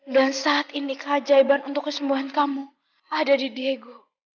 dan saat ini keajaiban untuk kesembuhan kamu ada di diego